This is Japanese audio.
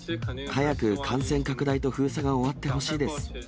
早く感染拡大と封鎖が終わってほしいです。